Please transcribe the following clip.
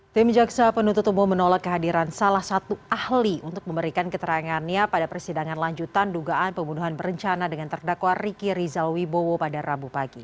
tim jaksa penuntut umum menolak kehadiran salah satu ahli untuk memberikan keterangannya pada persidangan lanjutan dugaan pembunuhan berencana dengan terdakwa riki rizal wibowo pada rabu pagi